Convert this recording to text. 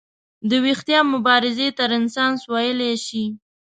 د ویښتیا مبارزې ته رنسانس ویلی شي.